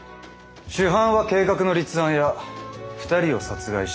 主犯は計画の立案や２人を殺害した諸岡だ。